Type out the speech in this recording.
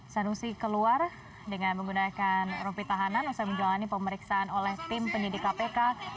sanusi keluar dengan menggunakan rompi tahanan usai menjalani pemeriksaan oleh tim penyidik kpk